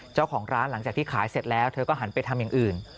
หลังจากที่ขายเสร็จแล้วเธอก็หันไปทำอย่างอื่น